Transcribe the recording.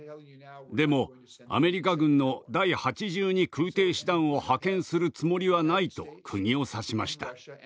でもアメリカ軍の第８２空挺師団を派遣するつもりはないとくぎを刺しました。